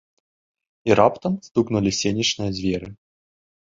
І раптам стукнулі сенечныя дзверы.